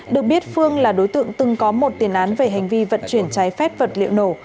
được biết phương là đối tượng từng có một tiền án về hành vi vận chuyển trái phép vật liệu nổ